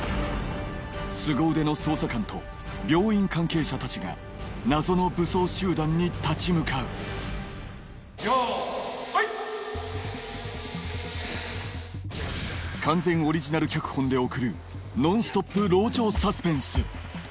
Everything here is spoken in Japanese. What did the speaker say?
スゴ腕の捜査官と病院関係者たちが謎の武装集団に立ち向かう・よいはい・完全オリジナル脚本で送るノンストップ籠城サスペンス